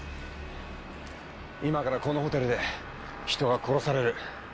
今からこのホテルで人が殺される。